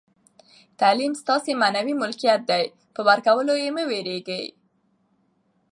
تعلیم ستاسي معنوي ملکیت دئ، پر ورکولو ئې مه بېرېږئ!